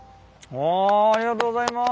ありがとうございます。